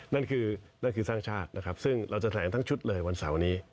นั่นคือนั่นคือสร้างชาตินะครับซึ่งเราจะแถลงทั้งชุดเลยวันเสาร์นี้